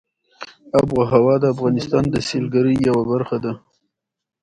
آب وهوا د افغانستان د سیلګرۍ یوه برخه ده.